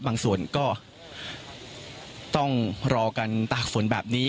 บางส่วนก็ต้องรอกันตากฝนแบบนี้